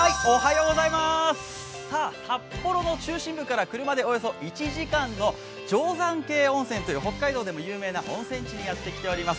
札幌の中心部から車でおよそ１時間の定山渓温泉という北海道でも有名な温泉地に来ています。